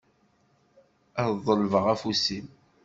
Ad d-ḍelbeɣ afus-im.